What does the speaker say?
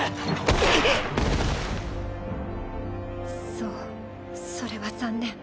そうそれは残念。